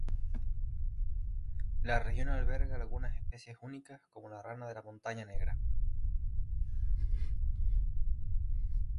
La región alberga algunas especies únicas, como la rana de la Montaña Negra.